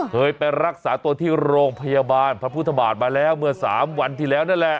เคยไปรักษาตัวที่โรงพยาบาลพระพุทธบาทมาแล้วเมื่อ๓วันที่แล้วนั่นแหละ